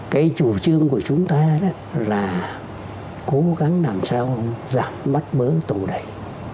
cái chủ trương của chúng ta là cố gắng làm sao giảm bắt bớn tù đẩy